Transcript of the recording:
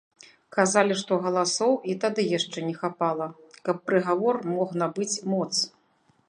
Казалі, што галасоў і тады яшчэ не хапала, каб прыгавор мог набыць моц.